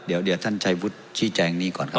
เดี๋ยวท่านชัยวุฒิชี้แจงนี้ก่อนครับ